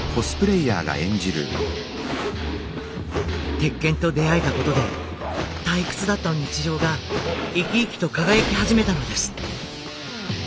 「鉄拳」と出会えたことで退屈だった日常が生き生きと輝き始めたのです。